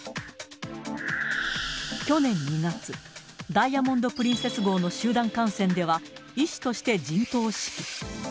去年２月、ダイヤモンド・プリンセス号の集団感染では、医師として陣頭指揮。